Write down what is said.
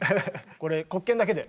これ黒鍵だけで。